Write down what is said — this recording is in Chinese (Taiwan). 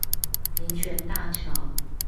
民權大橋